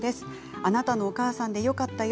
あなたのお母さんでよかったよ